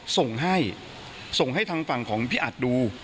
ส่งให้ส่งให้ทางฝั่งของพี่อัดดู